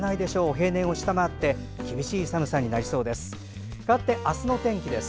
平年を下回って厳しい寒さになりそうです。